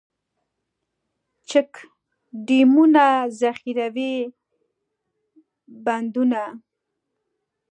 چک ډیمونه، ذخیروي بندونه.